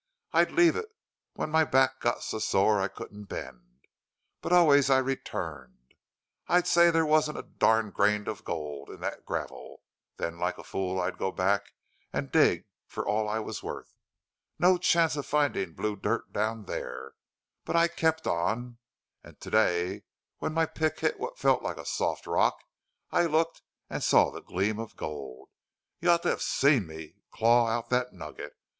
I'd leave it when my back got so sore I couldn't bend, but always I'd return. I'd say there wasn't a darned grain of gold in that gravel; then like a fool I'd go back and dig for all I was worth. No chance of finding blue dirt down there! But I kept on. And to day when my pick hit what felt like a soft rock I looked and saw the gleam of gold!... You ought to have seen me claw out that nugget!